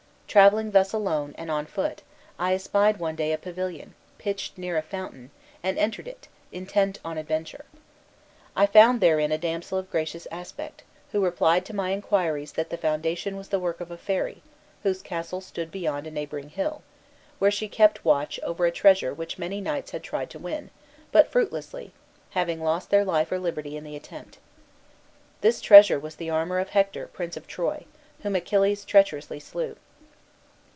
Travelling thus alone, and on foot, I espied one day a pavilion, pitched near a fountain, and entered it, intent on adventure. I found therein a damsel of gracious aspect, who replied to my inquiries that the fountain was the work of a fairy, whose castle stood beyond a neighboring hill, where she kept watch over a treasure which many knights had tried to win, but fruitlessly, having lost their life or liberty in the attempt. This treasure was the armor of Hector, prince of Troy, whom Achilles treacherously slew.